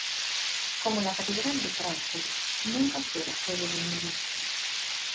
Como la catedral de Frankfurt, nunca fue la sede de un obispo.